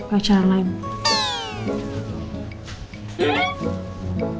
kayak cara lain